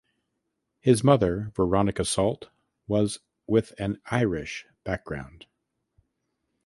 His mother Veronica Salt was with an Irish background.